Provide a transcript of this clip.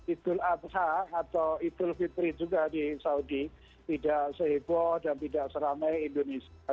idul adha atau idul fitri juga di saudi tidak seheboh dan tidak seramai indonesia